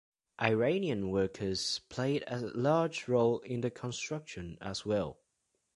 Iranian workers played a large role in the construction as well.